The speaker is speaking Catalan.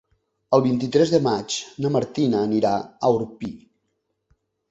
El vint-i-tres de maig na Martina anirà a Orpí.